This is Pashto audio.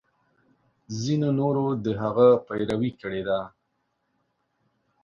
ځینو نورو د هغه پیروي کړې ده.